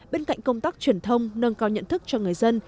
bên cạnh công tác truyền thông nâng cao nhận thức cho người dân